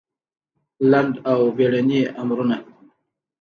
لنډ او بېړني امرونه